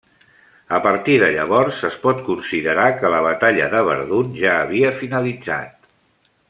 A partir de llavors es pot considerar que la batalla de Verdun ja havia finalitzat.